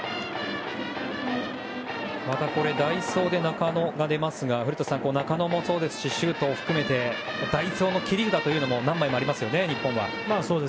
代走で中野が出ますが中野もそうですし周東を含めて代走の切り札も何枚もありますよね、日本は。